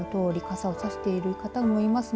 傘をさしている方もいます。